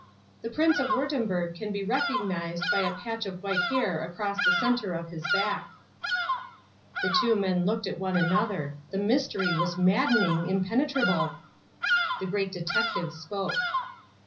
"The Prince of Wurttemberg can be recognised by a patch of white hair across the centre of his back." The two men looked at one another. The mystery was maddening, impenetrable. The Great Detective spoke.